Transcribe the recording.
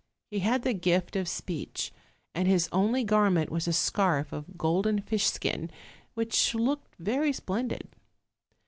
He had the gift of speech; and his only garment was a scarf of golden fish skin, which looked very splendid.